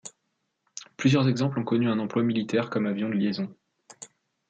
Plusieurs exemples ont connu un emploi militaire comme avion de liaison.